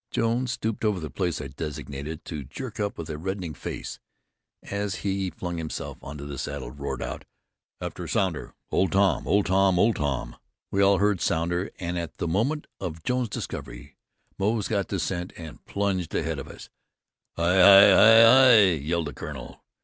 Jones stooped over the place I designated, to jerk up with reddening face, and as he flung himself into the saddle roared out: "After Sounder! Old Tom! Old Tom! Old Tom!" We all heard Sounder, and at the moment of Jones's discovery, Moze got the scent and plunged ahead of us. "Hi! Hi! Hi! Hi!" yelled the Colonel.